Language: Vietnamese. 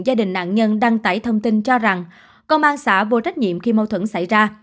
gia đình nạn nhân đăng tải thông tin cho rằng công an xã vô trách nhiệm khi mâu thuẫn xảy ra